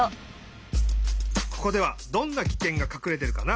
ここではどんなキケンがかくれてるかな？